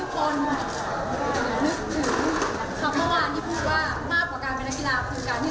นึกถึงคำว่าที่พูดว่ามากกว่าการเป็นนักกีฬาคือการที่เราเป็นนักสู้